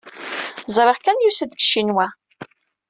Ẓriɣ kan yusa-d seg Ccinwa.